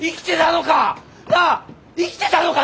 生きてたのか！？